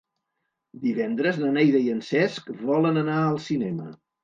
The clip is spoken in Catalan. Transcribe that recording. Divendres na Neida i en Cesc volen anar al cinema.